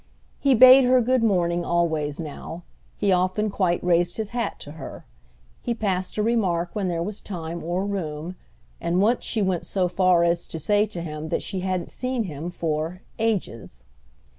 He bade her good morning always now; he often quite raised his hat to her. He passed a remark when there was time or room, and once she went so far as to say to him that she hadn't seen him for "ages."